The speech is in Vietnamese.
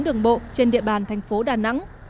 đường bộ trên địa bàn tp đà nẵng